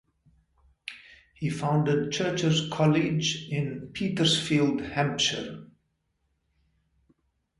He founded Churcher's College in Petersfield, Hampshire.